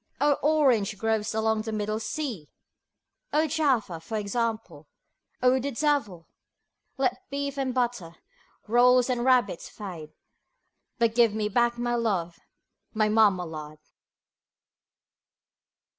O orange groves along the Middle Sea! (O Jaffa, for example) O the devil Let Beef and Butter, Rolls and Rabbits fade, But give me back my love, my Marmalade.